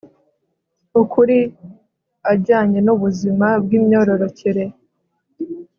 ukuri ajyanye n ubuzima bw imyororokere